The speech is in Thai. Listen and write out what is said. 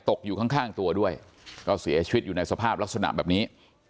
ตกอยู่ข้างตัวด้วยก็เสียชีวิตอยู่ในสภาพลักษณะแบบนี้